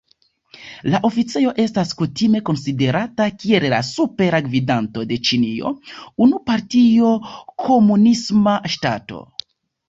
La oficejo estas kutime konsiderata kiel la Supera Gvidanto de Ĉinio, unu-partio komunisma ŝtato.